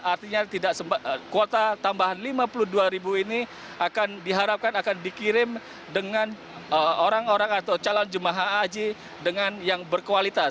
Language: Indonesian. artinya kuota tambahan lima puluh dua ribu ini akan diharapkan akan dikirim dengan orang orang atau calon jemaah haji dengan yang berkualitas